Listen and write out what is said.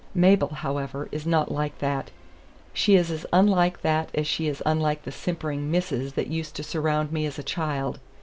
Mabel, however, is not like that. She is as unlike that as she is unlike the simpering misses that used to surround me as a child.